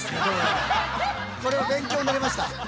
これは勉強になりました。